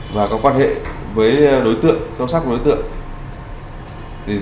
và có quan hệ với đối tượng trong sắc của đối tượng